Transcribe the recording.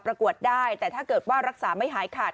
ประกวดได้แต่ถ้าเกิดว่ารักษาไม่หายขาด